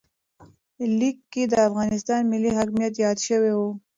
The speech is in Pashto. لیک کې د افغانستان ملي حاکمیت یاد شوی و.